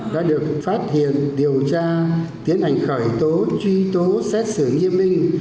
đã được phát hiện điều tra tiến hành khởi tố truy tố xét xử nghiêm minh